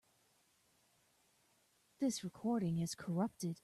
This recording is corrupted.